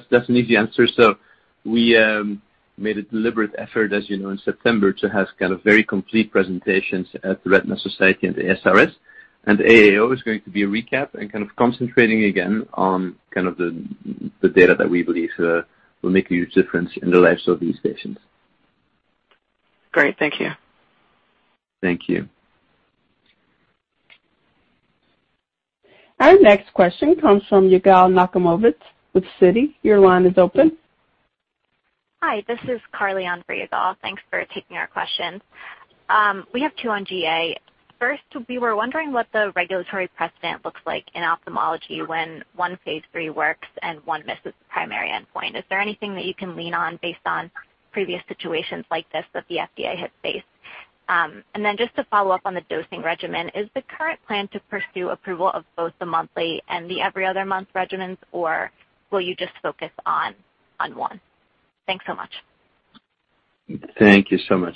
That's an easy answer. We made a deliberate effort, as you know, in September to have kind of very complete presentations at the Retina Society and the ASRS. AAO is going to be a recap and kind of concentrating again on kind of the data that we believe will make a huge difference in the lives of these patients. Great. Thank you. Thank you. Our next question comes from Yigal Nochomovitz with Citi. Your line is open. Hi. This is Carly on for Yigal. Thanks for taking our questions. We have two on GA. First, we were wondering what the regulatory precedent looks like in ophthalmology when one phase III works and one misses primary endpoint. Is there anything that you can lean on based on previous situations like this that the FDA has faced? Just to follow up on the dosing regimen, is the current plan to pursue approval of both the monthly and the every other month regimens, or will you just focus on one? Thanks so much. Thank you so much.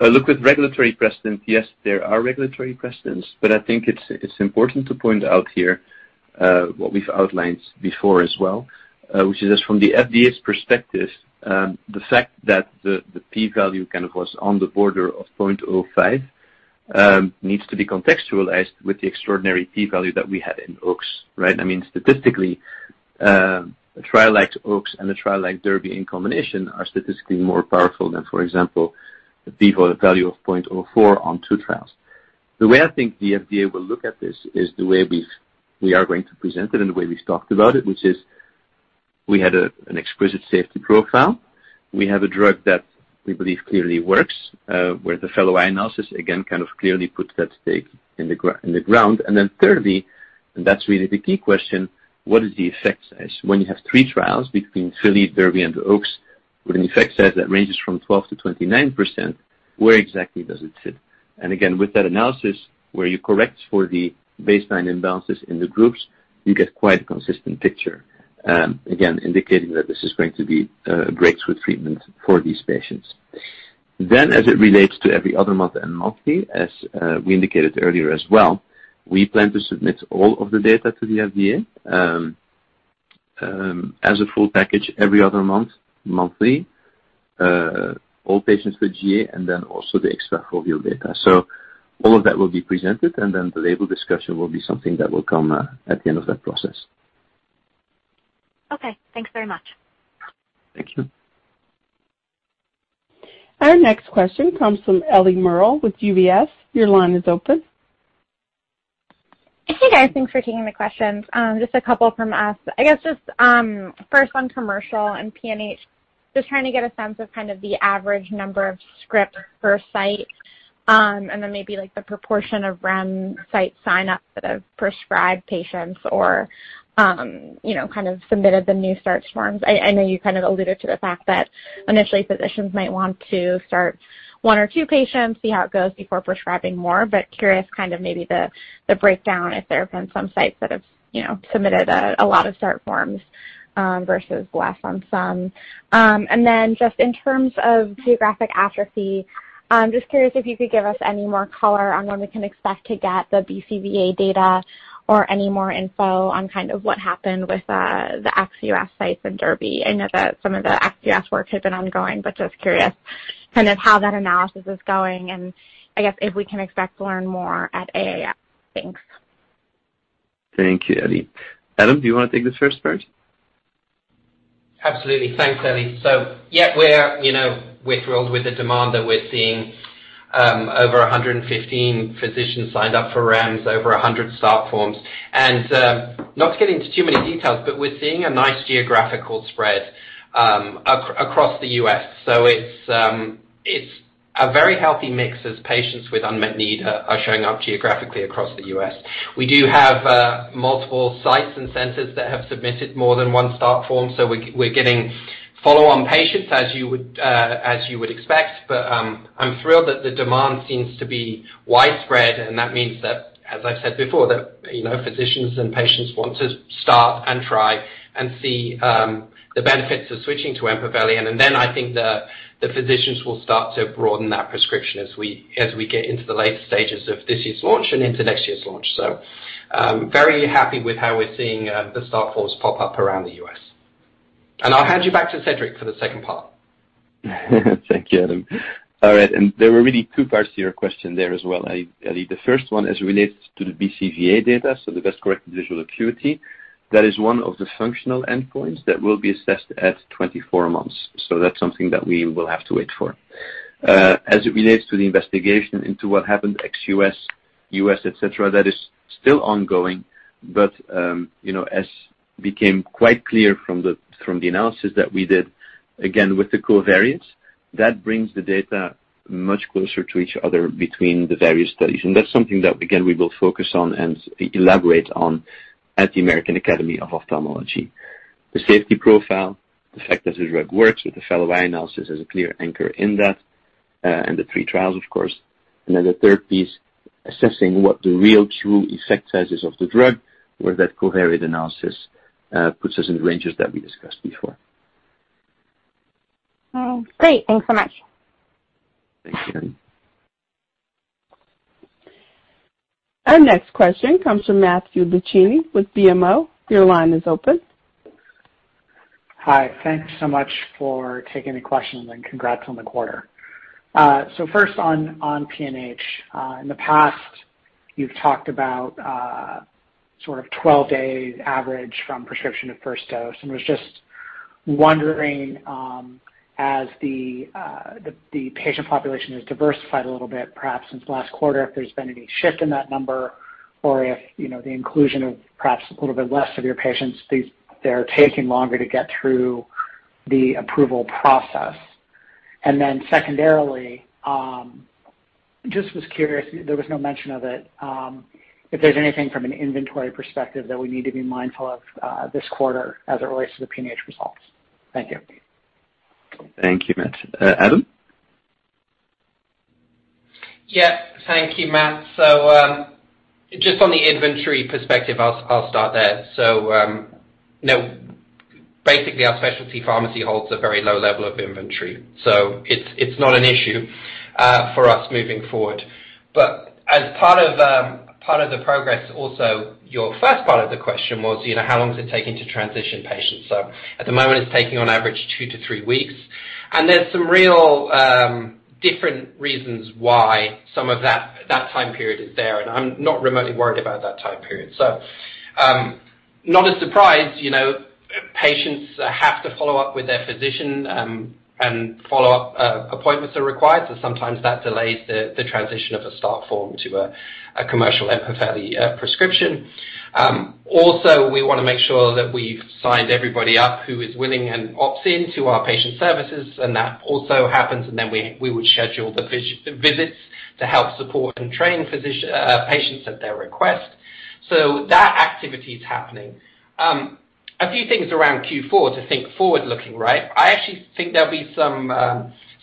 Look, with regulatory precedents, yes, there are regulatory precedents, but I think it's important to point out here what we've outlined before as well, which is just from the FDA's perspective, the fact that the P value kind of was on the border of 0.05 needs to be contextualized with the extraordinary P value that we had in OAKS, right? I mean, statistically, a trial like OAKS and a trial like DERBY in combination are statistically more powerful than, for example, the P value of 0.04 on two trials. The way I think the FDA will look at this is the way we are going to present it and the way we've talked about it, which is we had an exquisite safety profile. We have a drug that we believe clearly works, where the fellow eye analysis again kind of clearly puts that stake in the ground. Then thirdly, and that's really the key question, what is the effect size? When you have three trials between FILLY, DERBY and OAKS with an effect size that ranges from 12%-29%, where exactly does it fit? Again, with that analysis, where you correct for the baseline imbalances in the groups, you get quite a consistent picture, again indicating that this is going to be a breakthrough treatment for these patients. As it relates to every other month and monthly, as we indicated earlier as well, we plan to submit all of the data to the FDA as a full package every other month, monthly, all patients with GA and then also the extrafoveal data. All of that will be presented, and then the label discussion will be something that will come at the end of that process. Okay. Thanks very much. Thank you. Our next question comes from Ellie Merle with UBS. Your line is open. Hey, guys. Thanks for taking the questions. Just a couple from us. I guess just first on commercial and PNH. Just trying to get a sense of kind of the average number of scripts per site, and then maybe, like, the proportion of REMS site sign up for the prescribed patients or, you know, kind of submitted the new start forms. I know you kind of alluded to the fact that initially physicians might want to start one or two patients, see how it goes before prescribing more, but curious kind of maybe the breakdown if there have been some sites that have, you know, submitted a lot of start forms, versus less on some. just in terms of geographic atrophy, I'm just curious if you could give us any more color on when we can expect to get the BCVA data or any more info on kind of what happened with the ex-US sites in DERBY? I know that some of the ex-US work has been ongoing, but just curious Kind of how that analysis is going, and I guess if we can expect to learn more at AAO. Thanks. Thank you, Ellie. Adam, do you wanna take this first part? Absolutely. Thanks, Ellie. Yeah, we're, you know, we're thrilled with the demand that we're seeing. Over 115 physicians signed up for REMS, over 100 start forms. Not to get into too many details, but we're seeing a nice geographical spread across the U.S. It's a very healthy mix as patients with unmet need are showing up geographically across the U.S. We do have multiple sites and centers that have submitted more than one start form, so we're getting follow on patients, as you would expect. I'm thrilled that the demand seems to be widespread, and that means that, as I've said before, that, you know, physicians and patients want to start and try and see the benefits of switching to Empaveli. I think the physicians will start to broaden that prescription as we get into the later stages of this year's launch and into next year's launch. Very happy with how we're seeing the start forms pop up around the U.S. I'll hand you back to Cedric for the second part. Thank you, Adam. All right, there were really two parts to your question there as well, Ellie. The first one is related to the BCVA data, so the best corrected visual acuity. That is one of the functional endpoints that will be assessed at 24 months. That's something that we will have to wait for. As it relates to the investigation into what happened ex-U.S., U.S., et cetera, that is still ongoing, but you know, as became quite clear from the analysis that we did, again with the covariates, that brings the data much closer to each other between the various studies. That's something that again, we will focus on and elaborate on at the American Academy of Ophthalmology. The safety profile, the fact that the drug works with the fellow eye analysis is a clear anchor in that, and the three trials of course. The third piece, assessing what the real true effect size is of the drug, where that covariate analysis puts us in the ranges that we discussed before. Great. Thanks so much. Thanks, Ellie. Our next question comes from Matthew Luchini with BMO. Your line is open. Hi. Thank you so much for taking the questions, and congrats on the quarter. First on PNH. In the past you've talked about sort of 12 days average from prescription to first dose, and was just wondering as the patient population has diversified a little bit perhaps since last quarter, if there's been any shift in that number or if you know the inclusion of perhaps a little bit less of your patients that are taking longer to get through the approval process. Secondarily, just was curious, there was no mention of it, if there's anything from an inventory perspective that we need to be mindful of this quarter as it relates to the PNH results. Thank you. Thank you, Matt. Adam? Thank you, Matt. Just on the inventory perspective, I'll start there. No, basically our specialty pharmacy holds a very low level of inventory, so it's not an issue for us moving forward. But as part of the progress also, your first part of the question was, you know, how long does it take to transition patients? At the moment it's taking on average 2-3 weeks. There's some real different reasons why some of that time period is there, and I'm not remotely worried about that time period. Not a surprise, you know, patients have to follow up with their physician, and follow-up appointments are required, so sometimes that delays the transition of a start form to a commercial Empaveli prescription. Also, we wanna make sure that we've signed everybody up who is willing and opts in to our patient services, and that also happens, and then we would schedule the visits to help support and train patients at their request. That activity is happening. A few things around Q4 to think forward-looking, right? I actually think there'll be some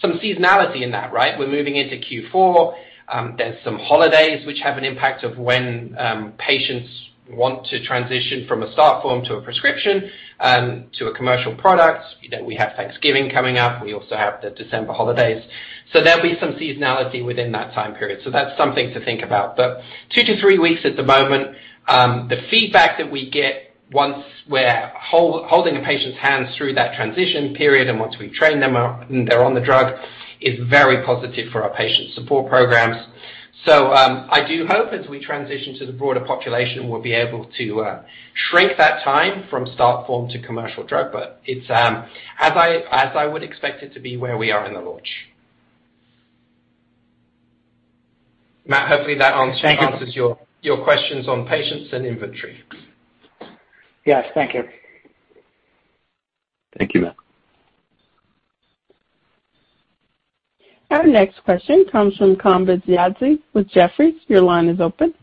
seasonality in that, right? We're moving into Q4. There's some holidays which have an impact on when patients want to transition from a start form to a prescription to a commercial product. You know, we have Thanksgiving coming up. We also have the December holidays. There'll be some seasonality within that time period. That's something to think about. 2-3 weeks at the moment. The feedback that we get once we're holding a patient's hands through that transition period and once we train them and they're on the drug is very positive for our patient support programs. I do hope as we transition to the broader population, we'll be able to shrink that time from start form to commercial drug. It's as I would expect it to be where we are in the launch. Matt, hopefully that answers. Thank you. your questions on patients and inventory. Yes. Thank you. Thank you, Matt. Our next question comes from Kambiz Yazdi with Jefferies. Your line is open.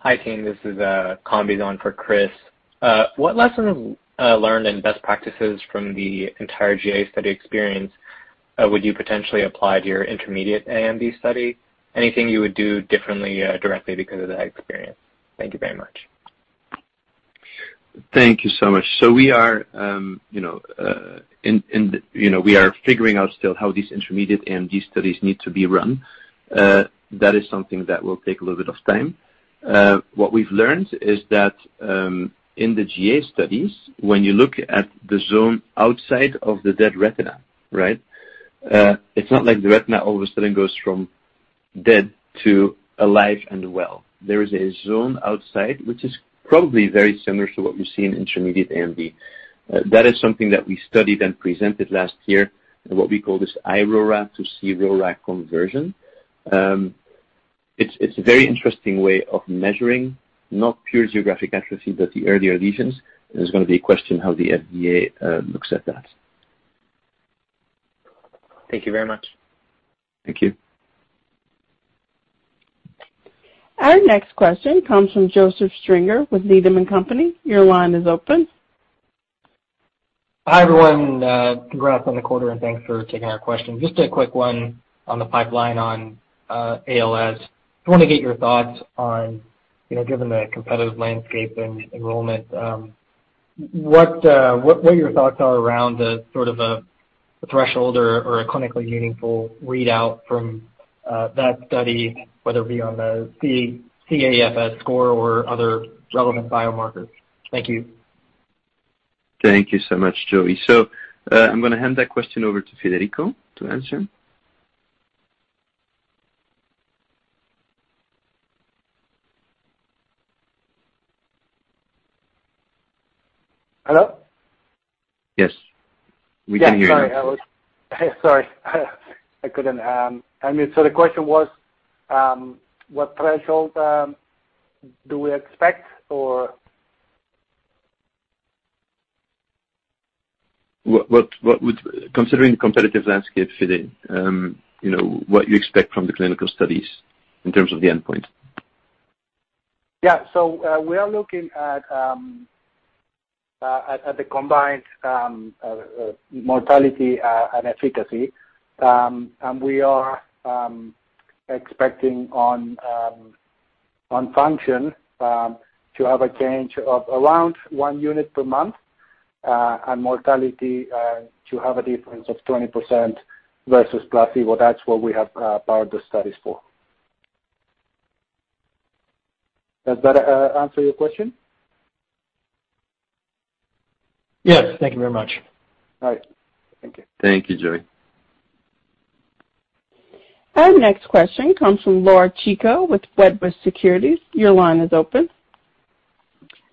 Hi, team. This is Kambiz on for Chris. What lessons learned and best practices from the entire GA study experience would you potentially apply to your intermediate AMD study? Anything you would do differently directly because of that experience? Thank you very much. Thank you so much. We are, you know, in, you know, we are figuring out still how these intermediate AMD studies need to be run. That is something that will take a little bit of time. What we've learned is that, in the GA studies, when you look at the zone outside of the dead retina, right, it's not like the retina all of a sudden goes from dead to alive and well. There is a zone outside which is probably very similar to what we see in intermediate AMD. That is something that we studied and presented last year, what we call this iRORA to cRORA conversion. It's a very interesting way of measuring not pure geographic atrophy, but the earlier lesions. It's gonna be a question how the FDA looks at that. Thank you very much. Thank you. Our next question comes from Joseph Stringer with Needham & Company. Your line is open. Hi, everyone. Congrats on the quarter, and thanks for taking our question. Just a quick one on the pipeline on ALS. Just wanna get your thoughts on, you know, given the competitive landscape and enrollment, what are your thoughts are around the sort of a threshold or a clinically meaningful readout from that study, whether it be on the CAFS score or other relevant biomarkers. Thank you. Thank you so much, Joey. I'm gonna hand that question over to Federico to answer. Hello? Yes. We can hear you. Sorry, I couldn't unmute. The question was, what threshold do we expect or? Considering the competitive landscape fitting, you know, what you expect from the clinical studies in terms of the endpoint. Yeah. We are looking at the combined mortality and efficacy. We are expecting on function to have a change of around one unit per month, and mortality to have a difference of 20% versus placebo. That's what we have powered the studies for. Does that answer your question? Yes. Thank you very much. All right. Thank you. Thank you, Joey. Our next question comes from Laura Chico with Wedbush Securities. Your line is open.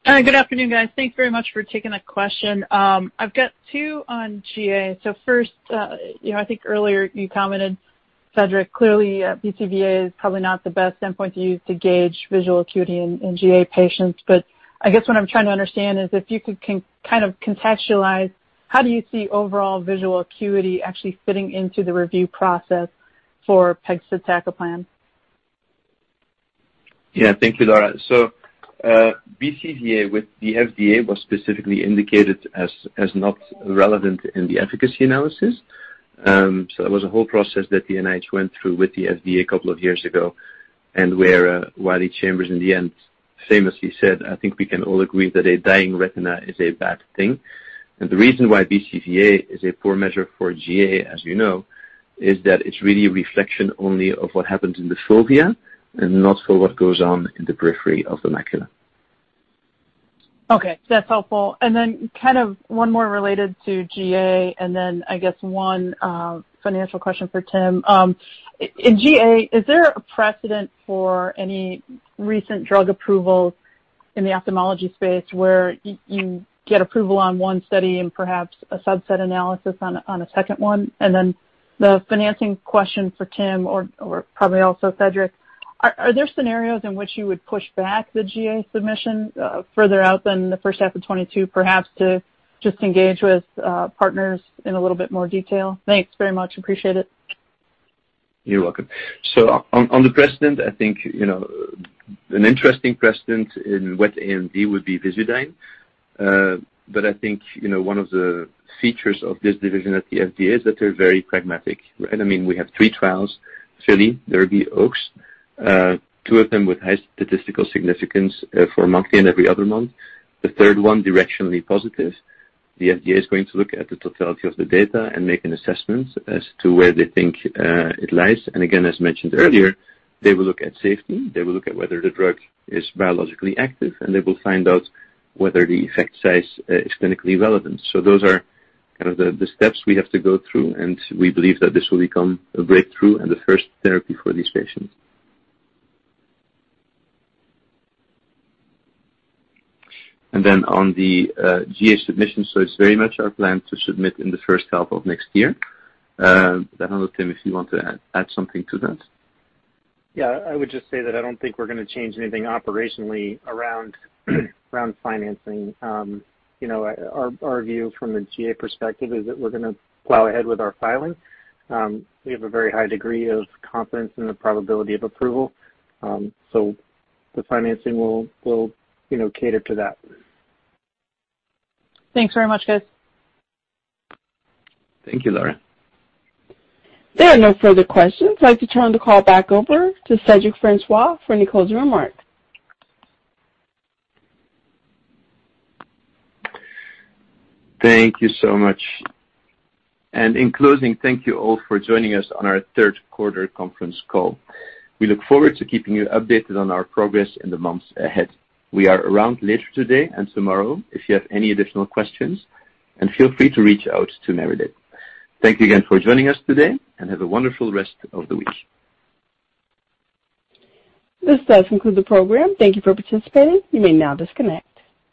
Hi, good afternoon, guys. Thank you very much for taking a question. I've got two on GA. First, you know, I think earlier you commented, Cedric, clearly, BCVA is probably not the best endpoint to use to gauge visual acuity in GA patients. But I guess what I'm trying to understand is if you could kind of contextualize how do you see overall visual acuity actually fitting into the review process for pegcetacoplan? Yeah. Thank you, Laura. BCVA with the FDA was specifically indicated as not relevant in the efficacy analysis. That was a whole process that the NIH went through with the FDA a couple of years ago, and where Wiley Chambers in the end famously said, "I think we can all agree that a dying retina is a bad thing." The reason why BCVA is a poor measure for GA, as you know, is that it's really a reflection only of what happens in the fovea and not for what goes on in the periphery of the macula. Okay, that's helpful. Kind of one more related to GA and then I guess one financial question for Tim. In GA, is there a precedent for any recent drug approvals in the ophthalmology space where you get approval on one study and perhaps a subset analysis on a second one? The financing question for Tim or probably also Cedric, are there scenarios in which you would push back the GA submission further out than the first half of 2022 perhaps to just engage with partners in a little bit more detail? Thanks very much. Appreciate it. You're welcome. On the precedent, I think, you know, an interesting precedent in wet AMD would be VISUDYNE. But I think, you know, one of the features of this division at the FDA is that they're very pragmatic. I mean, we have three trials, FILLY, DERBY, OAKS, two of them with high statistical significance, for monthly and every other month. The third one, directionally positive. The FDA is going to look at the totality of the data and make an assessment as to where they think it lies. Again, as mentioned earlier, they will look at safety. They will look at whether the drug is biologically active, and they will find out whether the effect size is clinically relevant. Those are kind of the steps we have to go through, and we believe that this will become a breakthrough and the first therapy for these patients. On the GA submission, it's very much our plan to submit in the first half of next year. I don't know, Tim, if you want to add something to that. Yeah. I would just say that I don't think we're gonna change anything operationally around financing. You know, our view from the GA perspective is that we're gonna plow ahead with our filing. We have a very high degree of confidence in the probability of approval. The financing will, you know, cater to that. Thanks very much, guys. Thank you, Laura. There are no further questions. I'd like to turn the call back over to Cedric Francois for any closing remarks. Thank you so much. In closing, thank you all for joining us on our third quarter conference call. We look forward to keeping you updated on our progress in the months ahead. We are around later today and tomorrow if you have any additional questions. Feel free to reach out to Meredith. Thank you again for joining us today, and have a wonderful rest of the week. This does conclude the program. Thank you for participating. You may now disconnect.